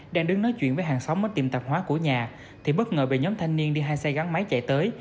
đang đứng nói chuyện với hàng xóm mới tìm tạp hóa của nhà thì bất ngờ bị nhóm thanh niên đi hai xe gắn máy chạy tới